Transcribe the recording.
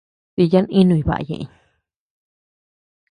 Díya inuñ baʼa ñeʼeñ.